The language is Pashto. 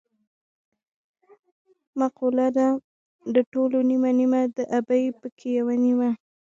مقوله ده: د ټولو نیمه نیمه د ابۍ پکې یوه نیمه.